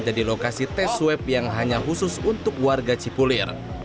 jadi lokasi tes swab yang hanya khusus untuk warga cipulir